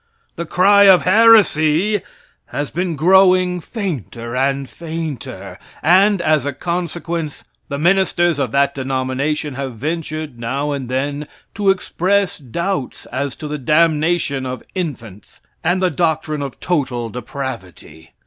The cry of "heresy" has been growing fainter and fainter, and, as a consequence, the ministers of that denomination have ventured now and then to express doubts as to the damnation of infants, and the doctrine of total depravity.